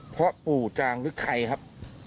พ่อปู่จางหรือใครครับ